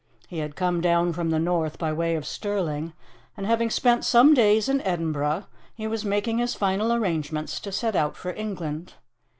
He had come down from the North by way of Stirling, and having spent some days in Edinburgh, he was making his final arrangements to set out for England.